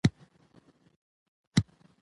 او وړاندوينو استازي کوي،